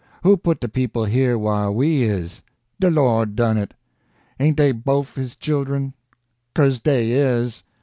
Who put de people here whar we is? De Lord done it. Ain' dey bofe his children? 'Cose dey is.